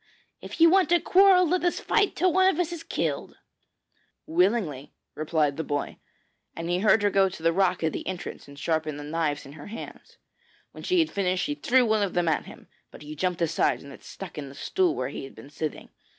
if you want to quarrel let us fight till one of us is killed.' 'Willingly!' replied the boy, and he heard her go to the rock at the entrance and sharpen the knives in her hands. When she had finished she threw one of them at him, but he jumped aside and it stuck in the stool where he had been sitting.